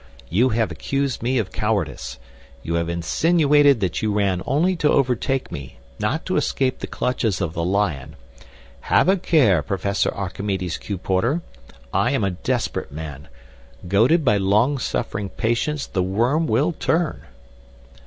You have accused me of cowardice. You have insinuated that you ran only to overtake me, not to escape the clutches of the lion. Have a care, Professor Archimedes Q. Porter! I am a desperate man. Goaded by long suffering patience the worm will turn."